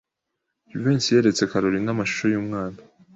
Jivency yeretse Kalorina amashusho yumwana.